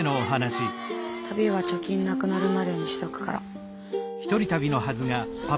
旅は貯金なくなるまでにしとくから。